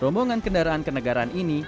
rombongan kendaraan kenegaraan ini